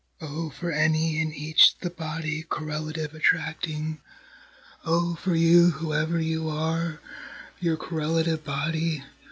O for any and each the body correlative attracting! O for you whoever you are your correlative body!